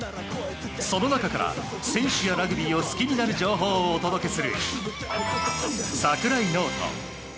その中から、選手やラグビーを好きになる情報をお届けする、櫻井ノート。